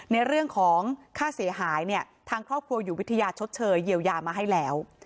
ในเรื่องของค่าเสียหายเนี่ยทางครอบครัวอยู่วิทยาชดเชยเยียวยามาให้แล้ว